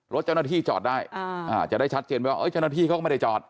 รถเจ้าหน้าที่จอดได้จะได้ชัดเจนว่าเจ้าหน้าที่เขาก็ไม่ได้จอด